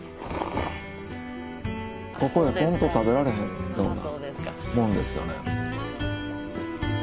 ここに来んと食べられへんようなもんですよね。